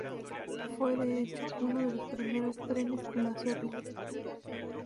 Fue de hecho uno de los primeros trenes en hacerlo.